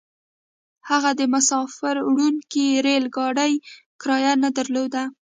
هغه د مساپر وړونکي ريل ګاډي کرايه نه درلوده.